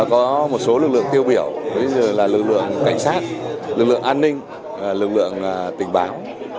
có một số lực lượng tiêu biểu ví dụ là lực lượng cảnh sát lực lượng an ninh lực lượng tình báo